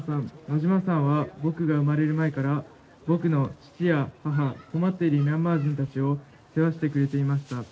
馬島さんは僕が生まれる前から僕の父や母困っているミャンマー人たちを世話してくれていました。